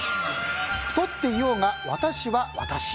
「太っていようが私は私」。